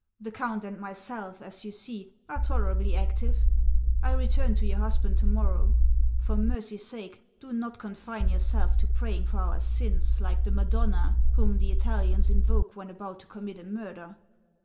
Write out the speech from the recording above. The count and myself, as you see, are tolerably active. I return to your husband to morrow. For mercy's sake, do not confine yourself to praying for our sins, like the Madonna whom the Italians invoke when about to commit a murder!